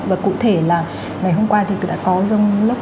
và cụ thể là ngày hôm qua thì đã có rông lấp